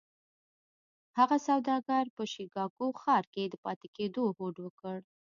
هغه سوداګر په شيکاګو ښار کې د پاتې کېدو هوډ وکړ.